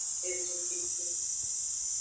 Ezokeke.